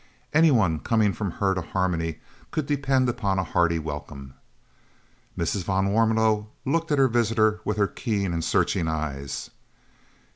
Any one coming from her to Harmony could depend upon a hearty welcome. Mrs. van Warmelo looked at her visitor with her keen and searching eyes.